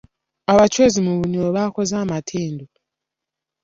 Abachwezi mu bunyoro bakoze amatendo.